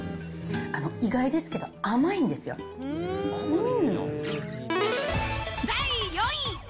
意外ですけど、甘いんですよ。うーん。